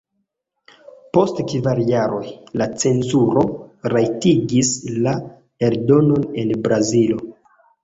Post kvar jaroj la cenzuro rajtigis la eldonon en Brazilo.